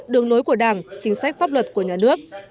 đường lối của đảng chính sách pháp luật của nhà nước